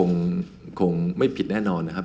เรื่องผิดกฎหมายคงไม่ผิดแน่นอนนะครับ